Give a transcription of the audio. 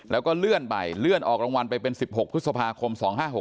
แล้วก็เลื่อนไปเลื่อนออกรางวัลไปเป็น๑๖พฤษภาคม๒๕๖๖